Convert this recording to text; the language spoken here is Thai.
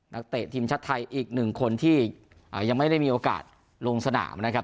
เตะทีมชาติไทยอีกหนึ่งคนที่ยังไม่ได้มีโอกาสลงสนามนะครับ